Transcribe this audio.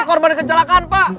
ini korban kecelakaan pak